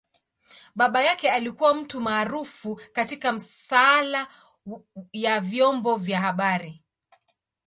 Baba yake alikua mtu maarufu katika masaala ya vyombo vya habari.